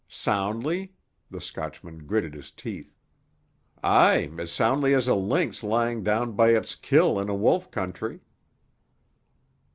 "Soundly?" The Scotchman gritted his teeth. "Aye as soundly as a lynx lying down by its kill in a wolf country."